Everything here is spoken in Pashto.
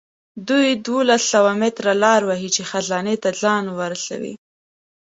دوی دولس سوه متره لاره وهي چې خزانې ته ځان ورسوي.